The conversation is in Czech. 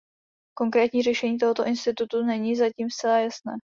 Konkrétní řešení tohoto institutu není zatím zcela jasné.